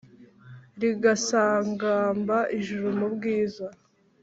Rigasagamba ijuru mu bwiza